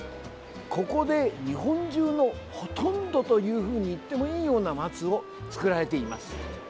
ここで日本中のほとんどというふうに言ってもいいような松を作られています。